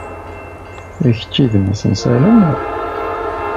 D kečč i d mmi-s n Salem?